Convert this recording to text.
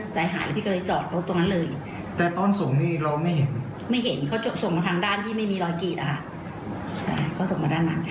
ใช่เขาส่งมาด้านนั้น